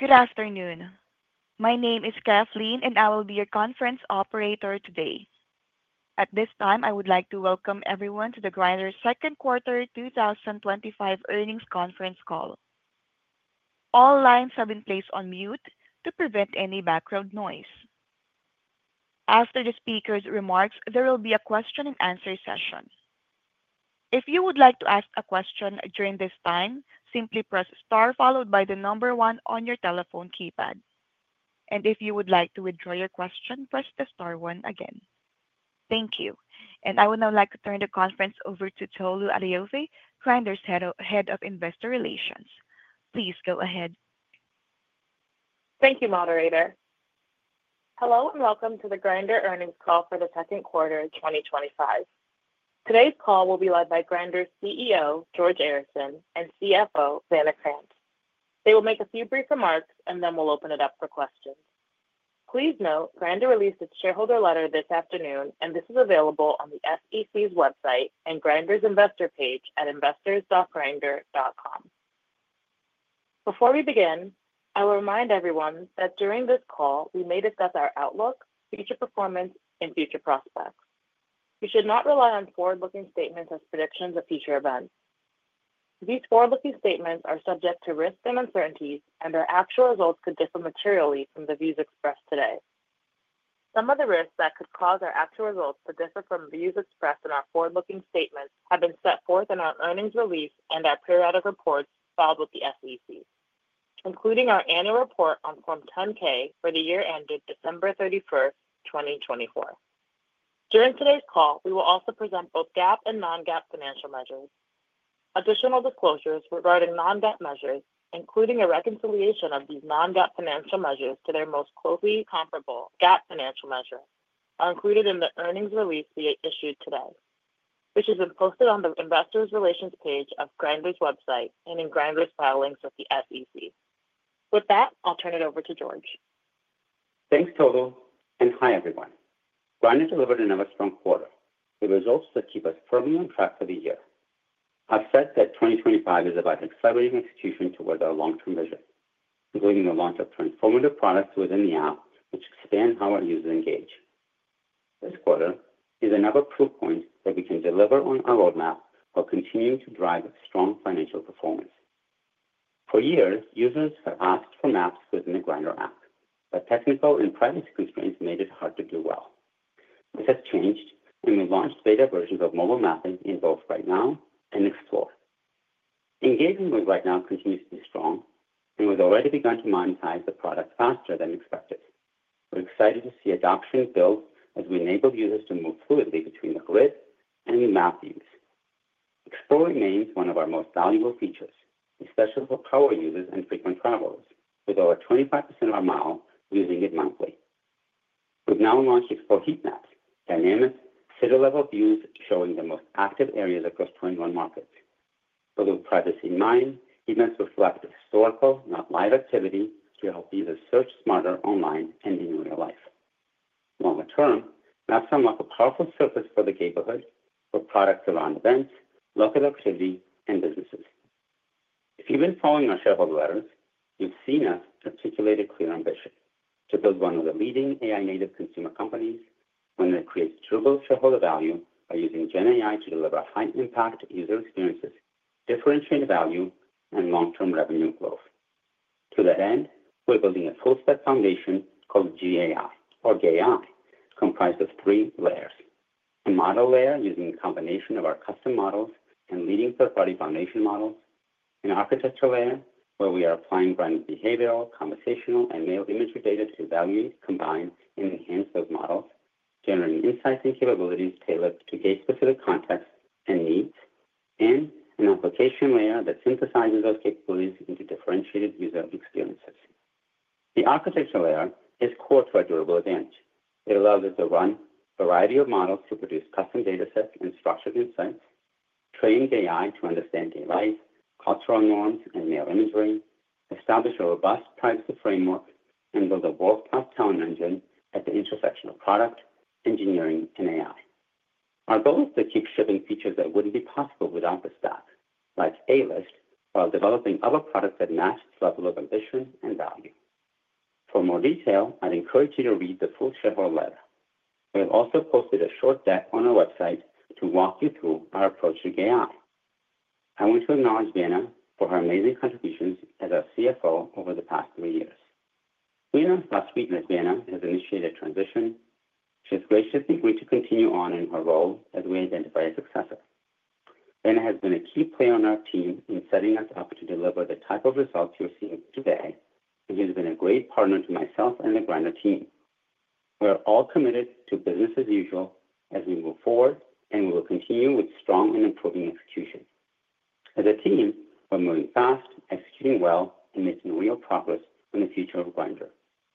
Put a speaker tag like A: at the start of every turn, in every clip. A: Good afternoon. My name is Kathleen, and I will be your conference operator today. At this time, I would like to welcome everyone to the Grindr's Second Quarter 2025 Earnings Conference Call. All lines have been placed on mute to prevent any background noise. After the speaker's remarks, there will be a question and answer session. If you would like to ask a question during this time, simply press star followed by the number one on your telephone keypad. If you would like to withdraw your question, press the star one again. Thank you. I would now like to turn the conference over to Tolu Adeofe, Grindr Head of Investor Relations. Please go ahead.
B: Thank you, moderator. Hello and welcome to the Grindr Earnings Call for the Second Quarter of 2025. Today's call will be led by Grindr's CEO, George Arison, and CFO, Vanna Krantz. They will make a few brief remarks and then we'll open it up for questions. Please note, Grindr released its shareholder letter this afternoon, and this is available on the SEC's website and Grindr's investor page at investors.grindr.com. Before we begin, I will remind everyone that during this call, we may discuss our outlook, future performance, and future prospects. We should not rely on forward-looking statements as predictions of future events. These forward-looking statements are subject to risks and uncertainties, and our actual results could differ materially from the views expressed today. Some of the risks that could cause our actual results to differ from views expressed in our forward-looking statements have been set forth in our earnings release and our periodic reports filed with the SEC, including our annual report on Form 10-K for the year ended December 31st, 2024. During today's call, we will also present both GAAP and non-GAAP financial measures. Additional disclosures regarding non-GAAP measures, including a reconciliation of these non-GAAP financial measures to their most closely comparable GAAP financial measure, are included in the earnings release we issued today. This is posted on the investor relations page of Grindr's website and in Grindr's filings with the SEC. With that, I'll turn it over to George.
C: Thanks, Tolu, and hi everyone. Grindr delivered another strong quarter with results that keep us firmly on track for the year. I've said that 2025 is about accelerating execution towards our long-term vision, including the launch of transformative products within the app, which expand how our users engage. This quarter is another proof point that we can deliver on our roadmap while continuing to drive strong financial performance. For years, users have asked for maps within the Grindr app, but technical and privacy constraints made it hard to do well. This has changed, and we launched beta versions of mobile mapping in both Right Now and Explore. Engaging with Right Now continues to be strong, and we've already begun to monetize the product faster than expected. We're excited to see adoption build as we enable users to move fluidly between the grid and new map views. Explore remains one of our most valuable features, especially for power users and frequent travelers, with over 25% of our MAU using it monthly. We've now launched Explore Heatmap, dynamic city-level views showing the most active areas across 21 markets. With privacy in mind, heatmaps reflect historical, not live, activity to help users search smarter online and in real life. Longer term, maps unlock a powerful surface for the neighborhood, for products around events, local activity, and businesses. If you've been following our shareholder letters, you've seen us articulate a clear ambition to build one of the leading AI-native consumer companies that create durable shareholder value by using GenAI to deliver high-impact user experiences, differentiated value, and long-term revenue growth. To that end, we're building a full-stack foundation called GAI, or GAI, comprised of three layers: a model layer using a combination of our custom models and leading third-party foundation models, an architecture layer where we are applying Grindr's behavioral, conversational, and male imagery data to evaluate, combine, and enhance those models, generating insights and capabilities tailored to case-specific context and needs, and an application layer that synthesizes those capabilities into differentiated user experiences. The architecture layer is core to our durable advantage. It allows us to run a variety of models to produce custom datasets and structured insights, train GAI to understand gay life, cultural norms, and male imagery, establish a robust privacy framework, and build a world-class talent engine at the intersection of Product, Engineering, and AI. Our goal is to keep shipping features that wouldn't be possible without the stack, like A-List, while developing other products that match the level of ambition and value. For more detail, I'd encourage you to read the full shareholder letter. We have also posted a short deck on our website to walk you through our approach to GAI. I want to acknowledge Vanna for her amazing contributions as our CFO over the past three years. We announced last week that Vanna has initiated a transition. She's graciously going to continue on in her role as we identify a successor. Vanna has been a key player on our team in setting us up to deliver the type of results you're seeing today, and she's been a great partner to myself and the Grindr team. We're all committed to business as usual as we move forward, and we will continue with strong and improving execution. As a team, we're moving fast, executing well, and making real progress in the future of Grindr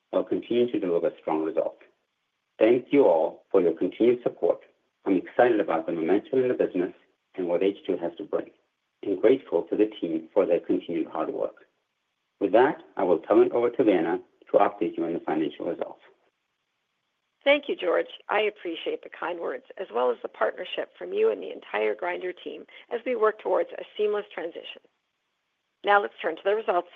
C: while continuing to deliver strong results. Thank you all for your continued support. I'm excited about the momentum in the business and what HQ has to bring, and grateful to the team for their continued hard work. With that, I will turn it over to Vanna to update you on the financial results.
D: Thank you, George. I appreciate the kind words as well as the partnership from you and the entire Grindr team as we work towards a seamless transition. Now let's turn to the results.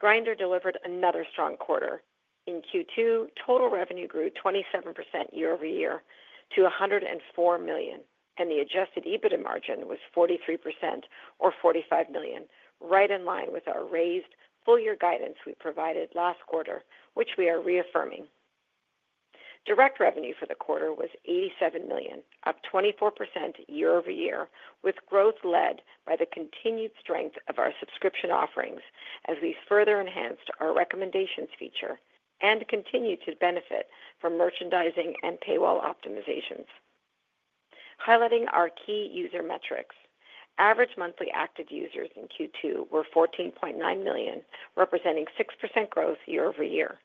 D: Grindr delivered another strong quarter. In Q2, total revenue grew 27% year-over-year to $104 million, and the adjusted EBITDA margin was 43% or $45 million, right in line with our raised full-year guidance we provided last quarter, which we are reaffirming. Direct revenue for the quarter was $87 million, up 24% year-over-year, with growth led by the continued strength of our subscription offerings as we further enhanced our recommendations feature and continue to benefit from merchandising and paywall optimizations. Highlighting our key user metrics, average monthly active users in Q2 were 14.9 million, representing 6% growth year-over-year.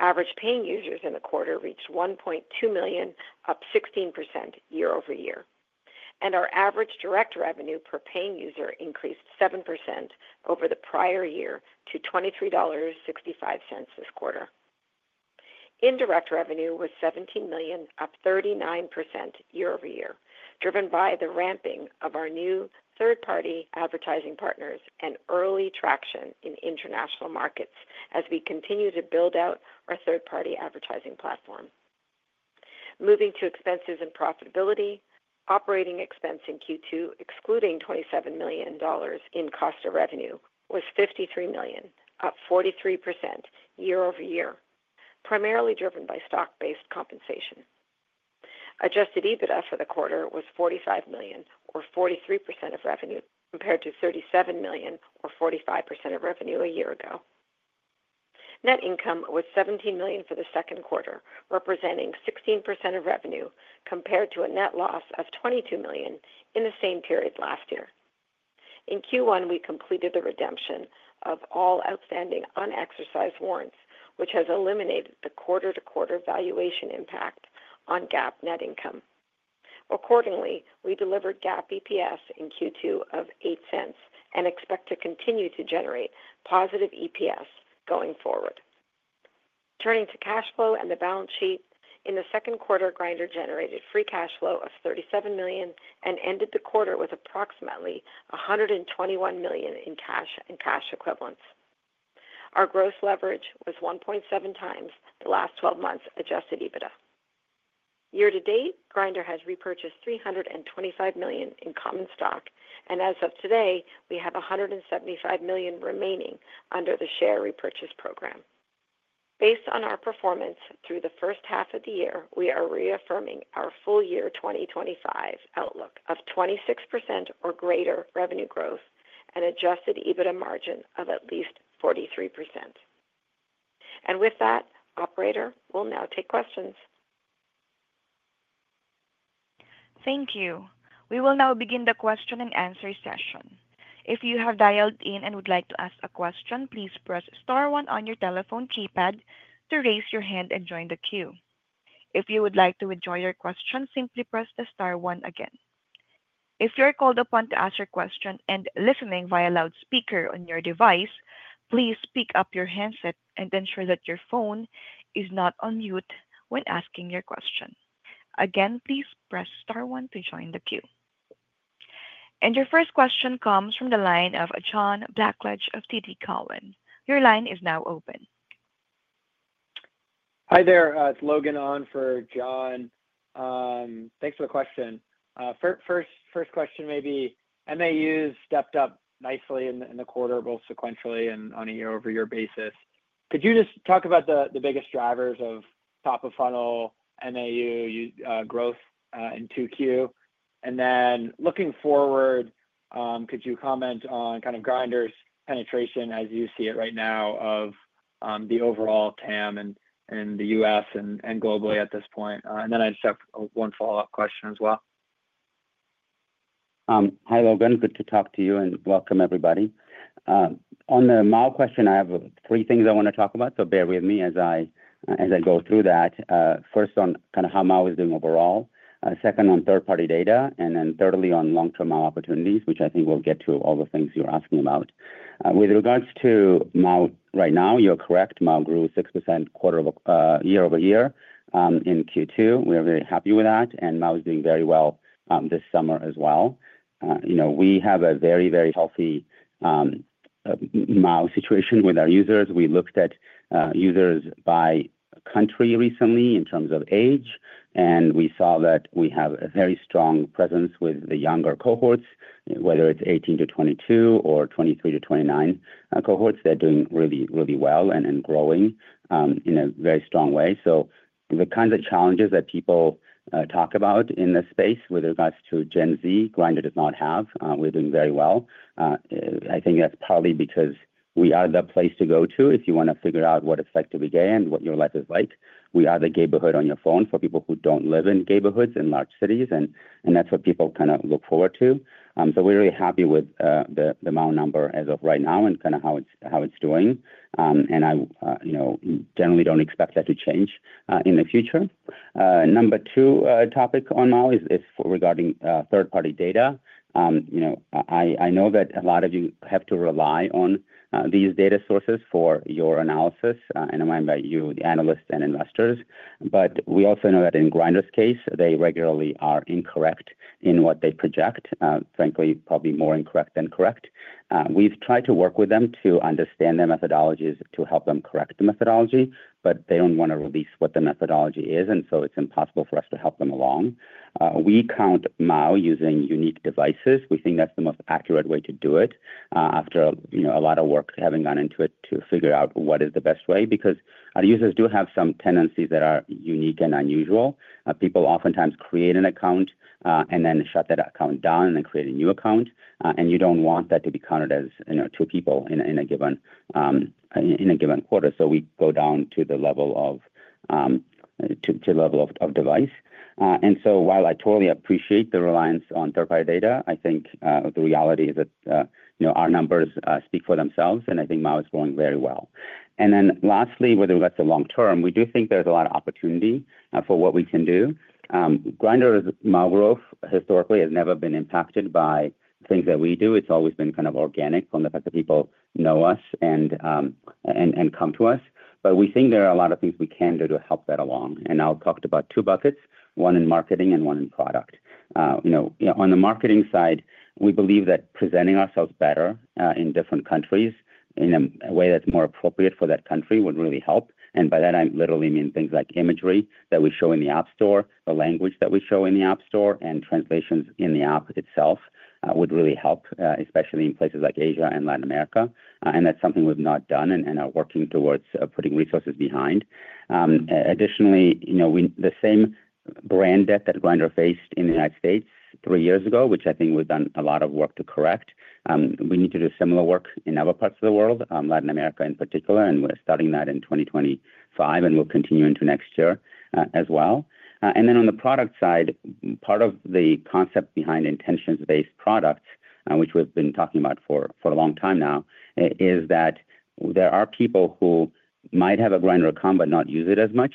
D: Average paying users in the quarter reached 1.2 million, up 16% year-over-year. Our average direct revenue per paying user increased 7% over the prior year to $23.65 this quarter. Indirect revenue was $17 million, up 39% year-over-year, driven by the ramping of our new third-party advertising partners and early traction in international markets as we continue to build out our third-party advertising platform. Moving to expenses and profitability, operating expense in Q2, excluding $27 million in cost of revenue, was $53 million, up 43% year-over-year, primarily driven by stock-based compensation. Adjusted EBITDA for the quarter was $45 million, or 43% of revenue, compared to $37 million, or 45% of revenue a year ago. Net income was $17 million for the second quarter, representing 16% of revenue compared to a net loss of $22 million in the same period last year. In Q1, we completed the redemption of all outstanding unexercised warrants, which has eliminated the quarter-to-quarter valuation impact on GAAP net income. Accordingly, we delivered GAAP EPS in Q2 of $0.08 and expect to continue to generate positive EPS going forward. Turning to cash flow and the balance sheet, in the second quarter, Grindr generated free cash flow of $37 million and ended the quarter with approximately $121 million in cash and cash equivalents. Our gross leverage was 1.7x the last 12 months' adjusted EBITDA. Year to date, Grindr has repurchased $325 million in common stock, and as of today, we have $175 million remaining under the share repurchase program. Based on our performance through the first half of the year, we are reaffirming our full-year 2025 outlook of 26% or greater revenue growth and adjusted EBITDA margin of at least 43%. With that, operator, we'll now take questions.
A: Thank you. We will now begin the question and answer session. If you have dialed in and would like to ask a question, please press star one on your telephone keypad to raise your hand and join the queue. If you would like to withdraw your question, simply press the star one again. If you are called upon to ask your question and listening via loudspeaker on your device, please pick up your handset and ensure that your phone is not on mute when asking your question. Please press star one to join the queue. Your first question comes from the line of John Blackledge of TD Cowen. Your line is now open. Hi there. It's Logan on for John. Thanks for the question. First question may be, MAUs stepped up nicely in the quarter, both sequentially and on a year-over-year basis. Could you just talk about the biggest drivers of top-of-funnel MAU growth in 2Q? Could you comment on kind of Grindr's penetration as you see it right now of the overall TAM in the U.S. and globally at this point? I just have one follow-up question as well.
C: Hi, Logan. Good to talk to you and welcome everybody. On the Mile question, I have three things I want to talk about, so bear with me as I go through that. First on kind of how MAU is doing overall, second on third-party data, and then thirdly on long-term MAU opportunities, which I think we'll get to all the things you're asking about. With regards to MAU right now, you're correct. MAU grew 6% quarter year-over-year in Q2. We are very happy with that, and MAU is doing very well this summer as well. We have a very, very healthy MAU situation with our users. We looked at users by country recently in terms of age, and we saw that we have a very strong presence with the younger cohorts, whether it's 18-22 or 23-29 cohorts. They're doing really, really well and growing in a very strong way. The kinds of challenges that people talk about in this space with regards to Gen Z, Grindr does not have. We're doing very well. I think that's probably because we are the place to go to if you want to figure out what is effective a day and what your life is like. We are the neighborhood on your phone for people who don't live in neighborhoods in large cities, and that's what people kind of look forward to. We're really happy with the MAU number as of right now and kind of how it's doing. I generally don't expect that to change in the future. Number two topic on MAU is regarding third-party data. I know that a lot of you have to rely on these data sources for your analysis. I'm talking about you, the analysts, and investors. We also know that in Grindr's case, they regularly are incorrect in what they project. Frankly, probably more incorrect than correct. We've tried to work with them to understand their methodologies to help them correct the methodology, but they don't want to release what the methodology is, and it's impossible for us to help them along. We count MAU using unique devices. We think that's the most accurate way to do it after a lot of work having gone into it to figure out what is the best way because our users do have some tendencies that are unique and unusual. People oftentimes create an account and then shut that account down and then create a new account, and you don't want that to be counted as two people in a given quarter. We go down to the level of device. While I totally appreciate the reliance on third-party data, I think the reality is that our numbers speak for themselves, and I think MAU is going very well. Lastly, with regards to long term, we do think there's a lot of opportunity for what we can do. Grindr's MAU growth historically has never been impacted by things that we do. It's always been kind of organic from the fact that people know us and come to us. We think there are a lot of things we can do to help that along. I'll talk about two buckets, one in marketing and one in product. On the marketing side, we believe that presenting ourselves better in different countries in a way that's more appropriate for that country would really help. By that, I literally mean things like imagery that we show in the app store, the language that we show in the app store, and translations in the app itself would really help, especially in places like Asia and Latin America. That's something we've not done and are working towards putting resources behind. Additionally, the same brand debt that Grindr faced in the United States three years ago, which I think we've done a lot of work to correct, we need to do similar work in other parts of the world, Latin America in particular. We're starting that in 2025 and will continue into next year as well. On the product side, part of the concept behind intentions-based products, which we've been talking about for a long time now, is that there are people who might have a Grindr account but not use it as much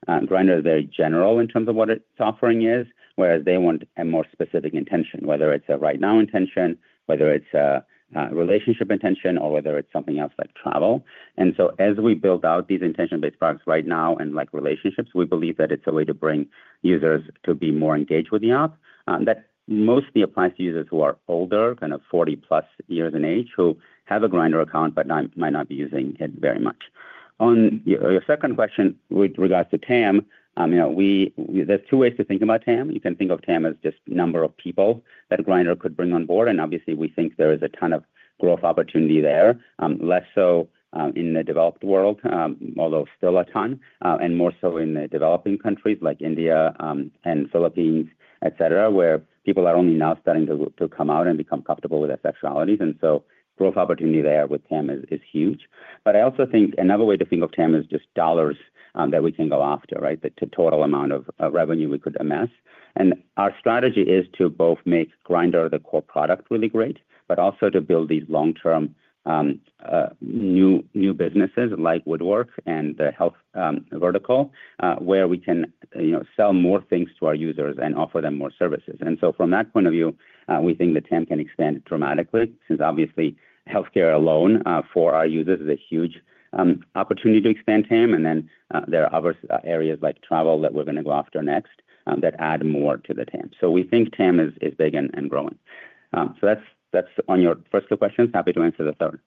C: because Grindr is very general in terms of what its offering is, whereas they want a more specific intention, whether it's a right-now intention, whether it's a relationship intention, or whether it's something else like travel. As we build out these intention-based products right now and like relationships, we believe that it's a way to bring users to be more engaged with the app. That mostly applies to users who are older, kind of 40+ years in age, who have a Grindr account but might not be using it very much. On your second question with regards to TAM, there's two ways to think about TAM. You can think of TAM as just the number of people that Grindr could bring on board. Obviously, we think there is a ton of growth opportunity there, less so in the developed world, although still a ton, and more so in the developing countries like India and the Philippines, et cetera, where people are only now starting to come out and become comfortable with their sexualities. Growth opportunity there with TAM is huge. I also think another way to think of TAM is just dollars that we can go after, the total amount of revenue we could amass. Our strategy is to both make Grindr the core product really great, but also to build these long-term new businesses like Woodwork and the health vertical where we can sell more things to our users and offer them more services. From that point of view, we think that TAM can expand dramatically since obviously healthcare alone for our users is a huge opportunity to expand TAM. There are other areas like travel that we are going to go after next that add more to the TAM. We think TAM is big and growing. That's on your first two questions. Happy to answer the third.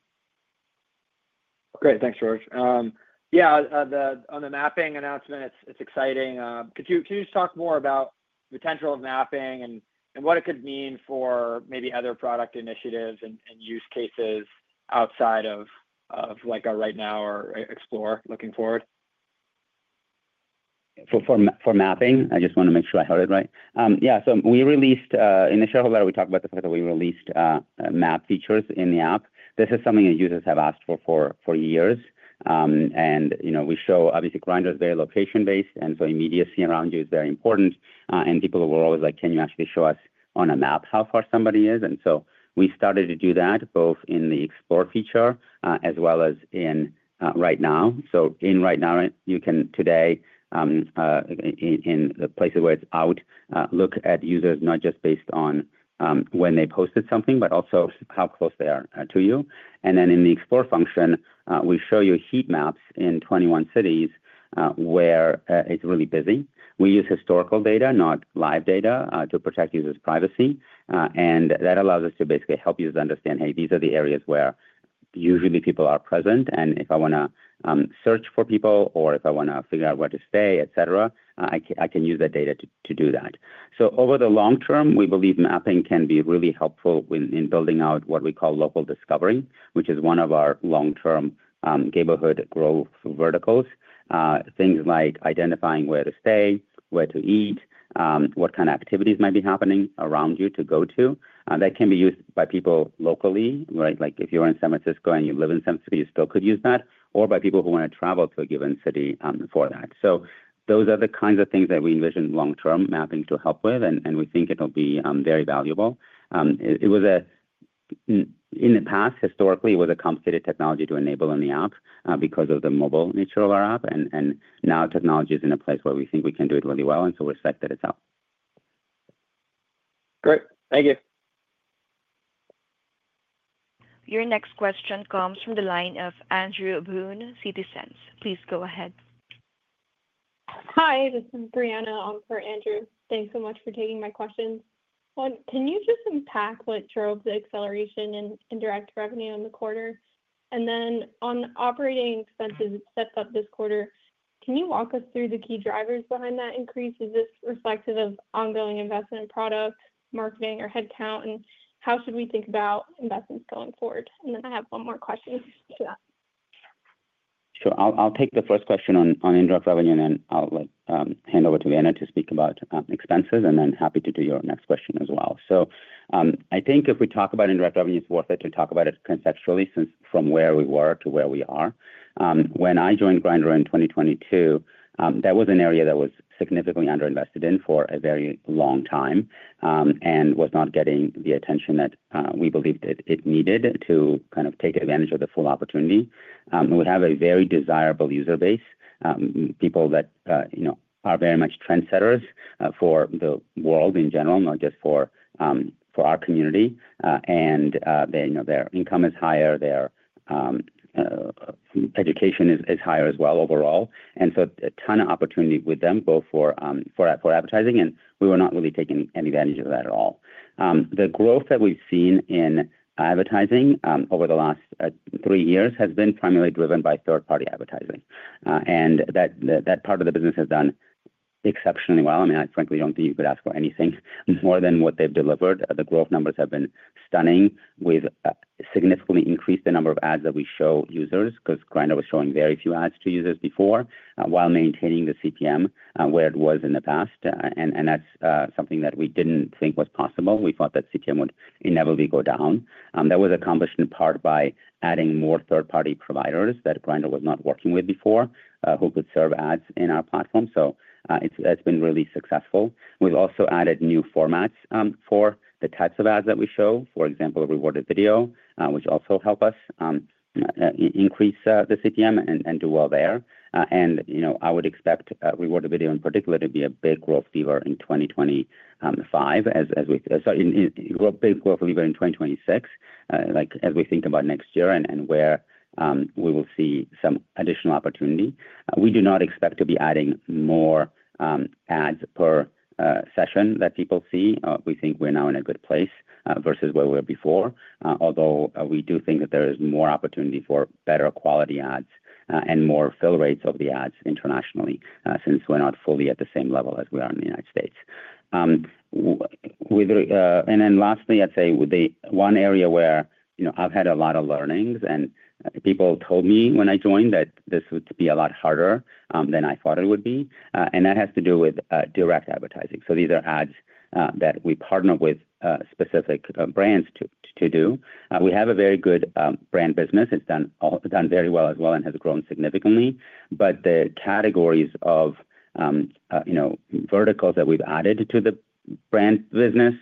C: Great. Thanks, George. On the mapping announcement, it's exciting. Could you talk more about the potential of mapping and what it could mean for maybe other product initiatives and use cases outside of like our Right Now or Explore looking forward? For mapping, I just want to make sure I heard it right. We released in the shareholder letter, we talked about the fact that we released map features in the app. This is something that users have asked for for years. Grindr is very location-based, and immediacy around you is very important. People were always like, can you actually show us on a map how far somebody is? We started to do that both in the Explore feature as well as in Right Now. In Right Now, you can today in the places where it's out, look at users not just based on when they posted something, but also how close they are to you. In the Explore function, we show you heatmaps in 21 cities where it's really busy. We use historical data, not live data, to protect users' privacy. That allows us to basically help users understand, hey, these are the areas where usually people are present. If I want to search for people or if I want to figure out where to stay, etc., I can use that data to do that. Over the long term, we believe mapping can be really helpful in building out what we call local discovery, which is one of our long-term neighborhood growth verticals. Things like identifying where to stay, where to eat, what kind of activities might be happening around you to go to. That can be used by people locally, right? If you're in San Francisco and you live in San Francisco, you still could use that, or by people who want to travel to a given city for that. Those are the kinds of things that we envision long-term mapping to help with, and we think it'll be very valuable. In the past, historically, it was a complicated technology to enable in the app because of the mobile nature of our app. Now technology is in a place where we think we can do it really well, and we're excited that it's out. Great. Thank you.
A: Your next question comes from the line of Andrew Boone, Citizens JMP. Please go ahead. Hi, this is Brianna on for Andrew. Thanks so much for taking my questions. Can you just unpack what drove the acceleration in indirect revenue in the quarter? On operating expenses set up this quarter, can you walk us through the key drivers behind that increase? Is this reflective of ongoing investment, product, marketing, or headcount? How should we think about investments going forward? I have one more question to that.
C: I'll take the first question on indirect revenue, and then I'll hand over to Vanna to speak about expenses, and then happy to do your next question as well. If we talk about indirect revenue, it's worth it to talk about it conceptually since from where we were to where we are. When I joined Grindr in 2022, that was an area that was significantly underinvested in for a very long time and was not getting the attention that we believed it needed to kind of take advantage of the full opportunity. We have a very desirable user base, people that are very much trendsetters for the world in general, not just for our community. Their income is higher. Their education is higher as well overall. There is a ton of opportunity with them both for advertising, and we were not really taking any advantage of that at all. The growth that we've seen in advertising over the last three years has been primarily driven by third-party advertising. That part of the business has done exceptionally well. I frankly don't think you could ask for anything more than what they've delivered. The growth numbers have been stunning, with significantly increased the number of ads that we show users because Grindr was showing very few ads to users before while maintaining the CPM where it was in the past. That's something that we didn't think was possible. We thought that CPM would inevitably go down. That was accomplished in part by adding more third-party providers that Grindr was not working with before who could serve ads in our platform. It's been really successful. We've also added new formats for the types of ads that we show. For example, a rewarded video, which also helps us increase the CPM and do well there. I would expect rewarded video in particular to be a big growth lever in 2025, as we start a big growth lever in 2026, like as we think about next year and where we will see some additional opportunity. We do not expect to be adding more ads per session that people see. We think we're now in a good place versus where we were before, although we do think that there is more opportunity for better quality ads and more fill rates of the ads internationally since we're not fully at the same level as we are in the United States. Lastly, I'd say the one area where I've had a lot of learnings, and people told me when I joined that this would be a lot harder than I thought it would be. That has to do with direct advertising. These are ads that we partner with specific brands to do. We have a very good brand business. It's done very well as well and has grown significantly. The categories of verticals that we've added to the brand business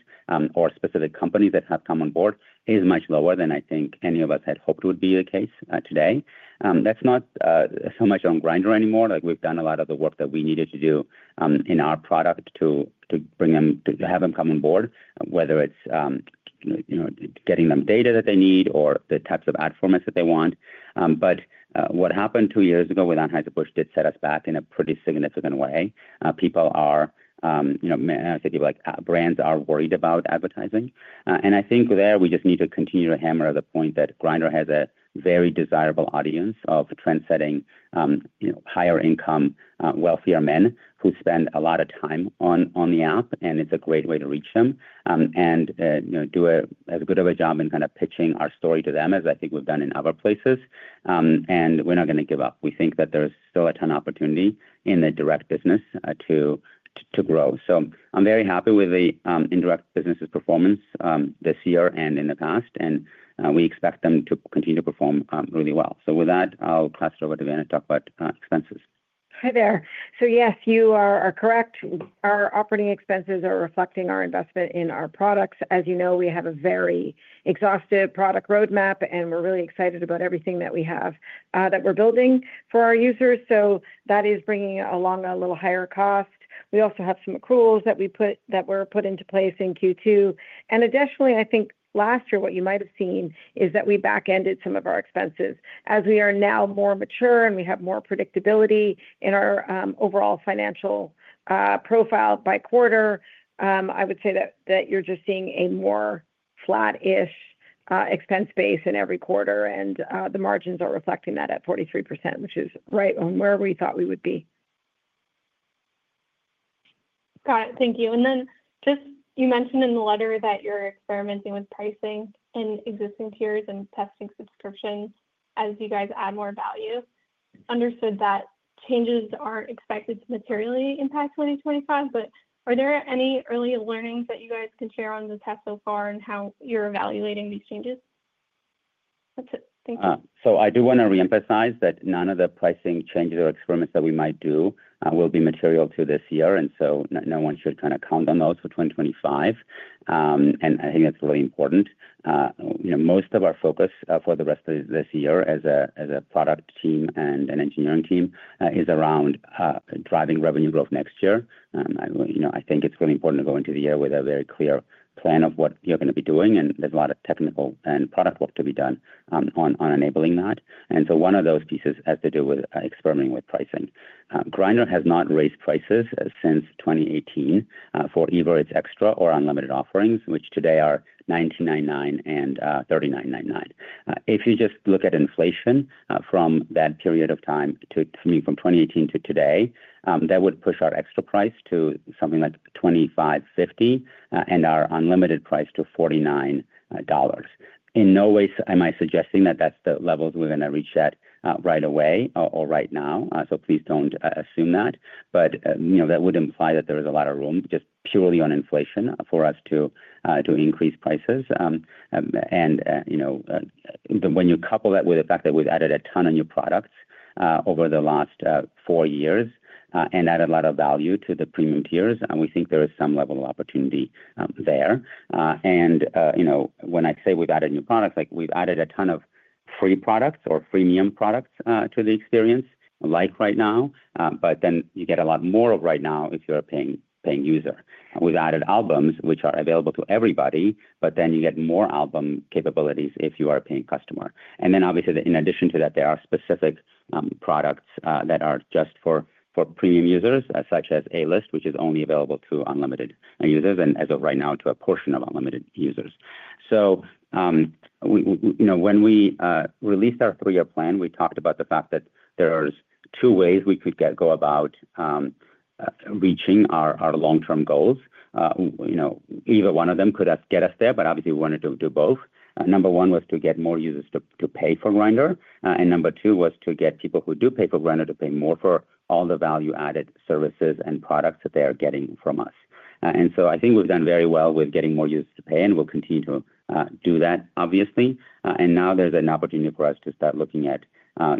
C: or specific companies that have come on board are much lower than I think any of us had hoped would be the case today. That's not so much on Grindr anymore. We've done a lot of the work that we needed to do in our product to bring them, to have them come on board, whether it's getting them data that they need or the types of ad formats that they want. What happened two years ago with Anheuser-Busch did set us back in a pretty significant way. People, you know, I think people like brands are worried about advertising. I think there we just need to continue to hammer the point that Grindr has a very desirable audience of trendsetting higher income, wealthier men who spend a lot of time on the app, and it's a great way to reach them and do a good job in kind of pitching our story to them, as I think we've done in other places. We're not going to give up. We think that there's still a ton of opportunity in the direct business to grow. I'm very happy with the indirect business's performance this year and in the past, and we expect them to continue to perform really well. With that, I'll pass it over to Vanna to talk about expenses.
D: Hi there. Yes, you are correct. Our operating expenses are reflecting our investment in our products. As you know, we have a very exhaustive product roadmap, and we're really excited about everything that we have that we're building for our users. That is bringing along a little higher cost. We also have some accruals that were put into place in Q2. Additionally, I think last year what you might have seen is that we back-ended some of our expenses. As we are now more mature and we have more predictability in our overall financial profile by quarter, I would say that you're just seeing a more flat-ish expense base in every quarter, and the margins are reflecting that at 43%, which is right on where we thought we would be. Got it. Thank you. You mentioned in the letter that you're experimenting with pricing in existing tiers and testing subscription as you guys add more value. I understand that changes aren't expected to materially impact 2025, but are there any early learnings that you guys can share on the test so far and how you're evaluating these changes? That's it. Thank you.
C: I do want to reemphasize that none of the pricing changes or experiments that we might do will be material to this year, and no one should kind of count on those for 2025. I think that's really important. Most of our focus for the rest of this year as a Product team and an Engineering team is around driving revenue growth next year. I think it's really important to go into the year with a very clear plan of what you're going to be doing, and there's a lot of technical and product work to be done on enabling that. One of those pieces has to do with experimenting with pricing. Grindr has not raised prices since 2018 for either its Extra or Unlimited offerings, which today are $99.99 and $39.99. If you just look at inflation from that period of time, from 2018 to today, that would push our Extra price to something like $25.50 and our Unlimited price to $49. In no way am I suggesting that that's the levels we're going to reach at right away or right now, so please don't assume that. That would imply that there is a lot of room just purely on inflation for us to increase prices. When you couple that with the fact that we've added a ton of new products over the last four years and added a lot of value to the premium tiers, we think there is some level of opportunity there. When I say we've added new products, we've added a ton of free products or premium products to the experience, like Right Now. You get a lot more of Right Now if you're a paying user. We've added albums which are available to everybody, but you get more album capabilities if you are a paying customer. In addition to that, there are specific products that are just for premium users, such as A-List, which is only available to Unlimited users and as of right now to a portion of Unlimited users. When we released our three-year plan, we talked about the fact that there are two ways we could go about reaching our long-term goals. Either one of them could get us there, but we wanted to do both. Number one was to get more users to pay for Grindr. Number two was to get people who do pay for Grindr to pay more for all the value-added services and products that they are getting from us. I think we've done very well with getting more users to pay, and we'll continue to do that. Now there's an opportunity for us to start looking at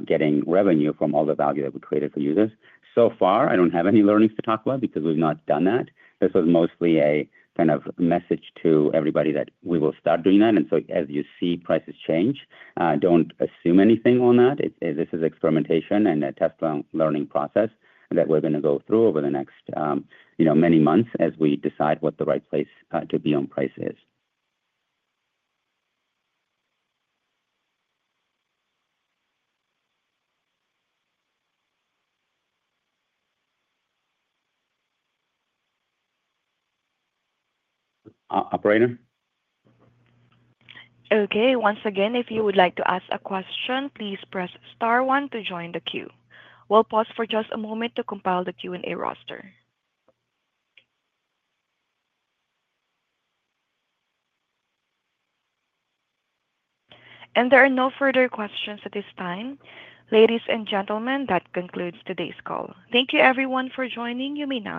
C: getting revenue from all the value that we created for users. I don't have any learnings to talk about because we've not done that. This was mostly a kind of message to everybody that we will start doing that. As you see prices change, don't assume anything on that. This is experimentation and a test learning process that we're going to go through over the next many months as we decide what the right place to be on price is. Operator?
A: Okay. Once again, if you would like to ask a question, please press star one to join the queue. We'll pause for just a moment to compile the Q&A roster. There are no further questions at this time. Ladies and gentlemen, that concludes today's call. Thank you, everyone, for joining. You may now.